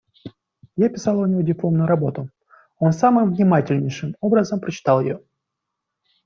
Я писала у него дипломную работу; он самым внимательнейшим образом прочитал ее.